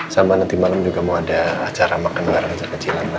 sama nanti malam juga mau ada acara makan bareng acara kecilan